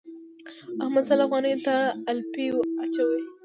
احمد سل افغانيو ته الاپی اچوي.